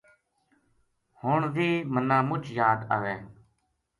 ہن ویہ منا مچ یاد آوے